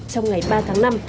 trong ngày ba tháng năm